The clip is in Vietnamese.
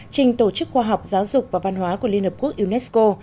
trình tổ chức khoa học giáo dục và văn hóa của liên hợp quốc unesco